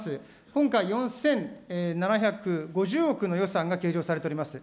今回、４７５０億の予算が計上されております。